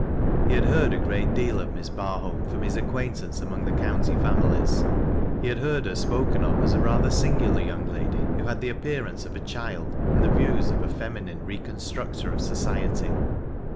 He had heard a great deal of Miss Barholm from hie acquaintance among the county families. He had heard her spoken of as a rather singular young lady who had the appearance of a child, and the views of a feminine recoii structor of society.